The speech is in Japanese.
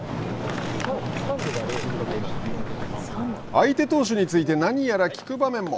相手投手について何やら聞く場面も。